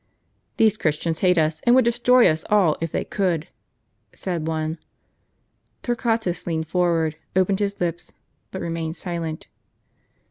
" These Christians hate us, and would destroy us all if they could," said one. Torquatus leaned forward, opened his lips, but remained silent.